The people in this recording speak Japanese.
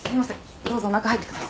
どうぞ中に入ってください。